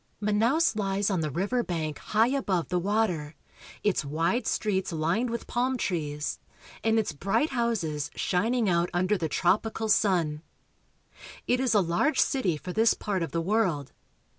Manaos lies on the river bank high above the water, its wide streets lined with palm trees, and its bright houses shining out under the tropical sun. It is a large city for this part of the world.